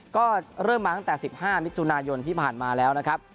ก็เริ่มมาตั้งแต่๑๕มิถุนายนที่ผ่านมาแล้วนะครับ